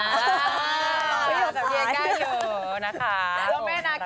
พี่หลอกกับเย็นใกล้อยู่นะคะ